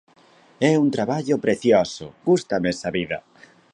É un traballo precioso, gústame esa vida.